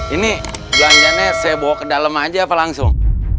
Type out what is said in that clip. ini belanjanya saya bawa ke dalam aja apa langsung